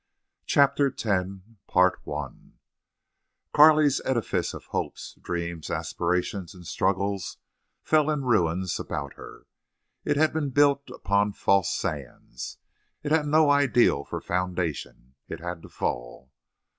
CHAPTER X Carley's edifice of hopes, dreams, aspirations, and struggles fell in ruins about her. It had been built upon false sands. It had no ideal for foundation. It had to fall.